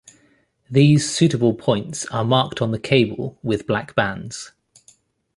These suitable points are marked on the cable with black bands.